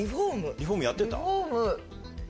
リフォームやってた？